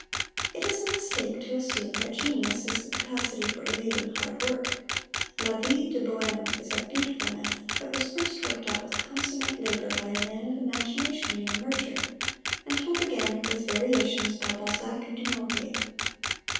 It is a mistake to assume that genius is the capacity for evading hard work. "La Vie de Boheme" is a beautiful myth that was first worked out with consummate labor by a man of imagination named Murger, and told again with variations by Balzac and Du Maurier.